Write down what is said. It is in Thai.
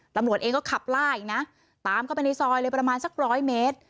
ตำรวจเองก็ขับล่าอีกนะตามเข้าไปในซอยเลยประมาณสักร้อยเมตร